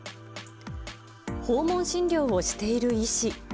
訪問診療をしている医師。